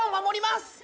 守ります！